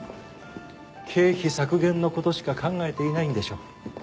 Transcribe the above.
経費削減の事しか考えていないんでしょう。